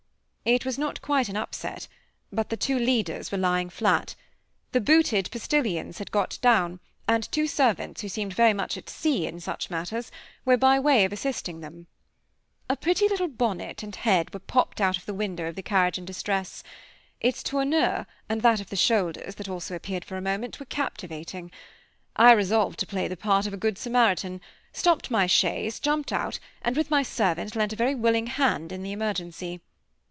It was not quite an upset. But the two leaders were lying flat. The booted postilions had got down, and two servants who seemed very much at sea in such matters, were by way of assisting them. A pretty little bonnet and head were popped out of the window of the carriage in distress. Its tournure, and that of the shoulders that also appeared for a moment, was captivating: I resolved to play the part of a good Samaritan; stopped my chaise, jumped out, and with my servant lent a very willing hand in the emergency.